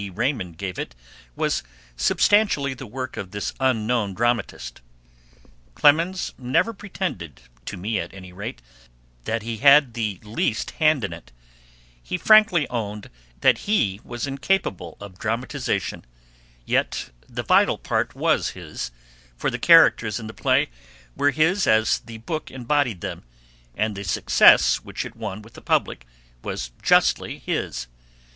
Raymond gave it was substantially the work of this unknown dramatist. Clemens never pretended, to me at any rate, that he had the least hand in it; he frankly owned that he was incapable of dramatization; yet the vital part was his, for the characters in the play were his as the book embodied them, and the success which it won with the public was justly his.